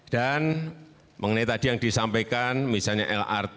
dan mengenai tadi yang disampaikan misalnya lrt